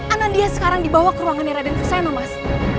anandya sekarang dibawa ke ruangan raden fuseno mas